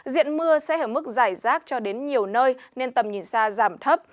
diện mưa sẽ ở mức giải rác cho đến nhiều nơi nên tầm nhìn xa giảm thấp